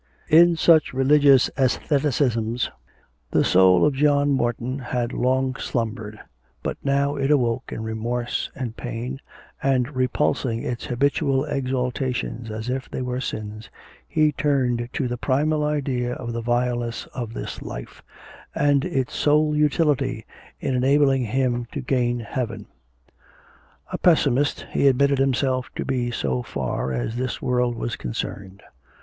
In such religious aestheticisms the soul of John Norton had long slumbered, but now it awoke in remorse and pain, and, repulsing its habitual exaltations as if they were sins, he turned to the primal idea of the vileness of this life, and its sole utility in enabling man to gain heaven. A pessimist he admitted himself to be so far as this world was concerned.